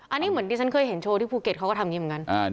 อันนี้เหมือนที่ฉันเคยเห็นโชว์ที่ภูเก็ตเขาก็ทำอย่างนี้เหมือนกัน